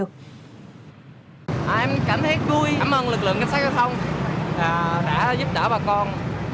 em cảm thấy vui cảm ơn lực lượng cảnh sát giao thông đã giúp đỡ bà con